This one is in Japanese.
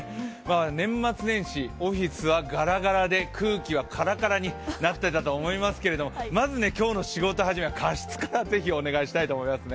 年末年始、オフィスはガラガラで空気はカラカラになっていたと思いますけど、まず今日の仕事始めは加湿からお願いしたいと思いますね。